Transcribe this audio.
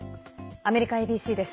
アメリカＡＢＣです。